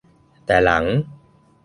แต่หลัง